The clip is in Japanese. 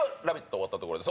終わったところです